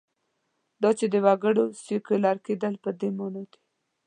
دا چې د وګړو سیکولر کېدل په دې معنا دي.